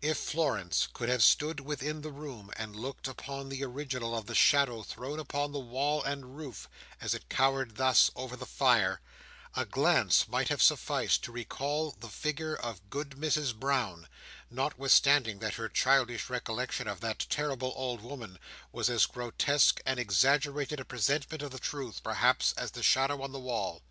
If Florence could have stood within the room and looked upon the original of the shadow thrown upon the wall and roof as it cowered thus over the fire, a glance might have sufficed to recall the figure of Good Mrs Brown; notwithstanding that her childish recollection of that terrible old woman was as grotesque and exaggerated a presentment of the truth, perhaps, as the shadow on the wall.